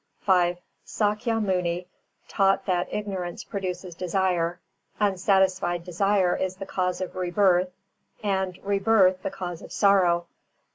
V Sākya Muni taught that ignorance produces desire, unsatisfied desire is the cause of rebirth, and rebirth, the cause of sorrow.